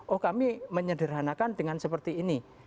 oh kami menyederhanakan dengan seperti ini